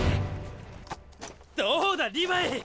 どうだリヴァイ！